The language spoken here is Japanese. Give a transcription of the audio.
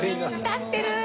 立ってるー！